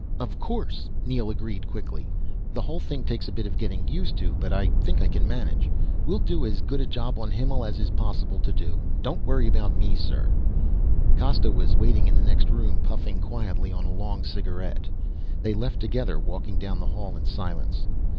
"Of course," Neel agreed quickly. "The whole thing takes a bit of getting used to, but I think I can manage. We'll do as good a job on Himmel as it is possible to do. Don't worry about me, sir." Costa was waiting in the next room, puffing quietly on a long cigarette. They left together, walking down the hall in silence.